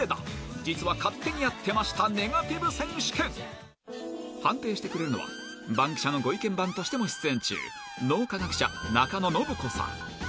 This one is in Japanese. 実は勝手にやってました、ネガティブ選手権。判定してくれるのは、バンキシャの御意見番としても出演中、脳科学者、中野信子さん。